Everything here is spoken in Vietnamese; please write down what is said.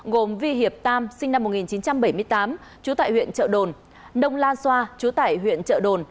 gồm vi hiệp tam sinh năm một nghìn chín trăm bảy mươi tám trú tại huyện trợ đồn nông lan xoa chú tải huyện trợ đồn